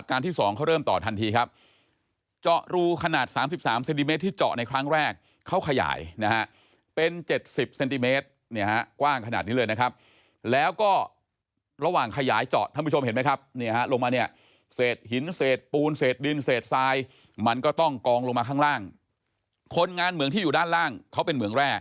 สองเขาเริ่มต่อทันทีครับเจาะรูขนาด๓๓เซนติเมตรที่เจาะในครั้งแรกเขาขยายนะฮะเป็น๗๐เซนติเมตรเนี่ยฮะกว้างขนาดนี้เลยนะครับแล้วก็ระหว่างขยายเจาะท่านผู้ชมเห็นไหมครับเนี่ยฮะลงมาเนี่ยเศษหินเศษปูนเศษดินเศษทรายมันก็ต้องกองลงมาข้างล่างคนงานเหมืองที่อยู่ด้านล่างเขาเป็นเหมืองแร่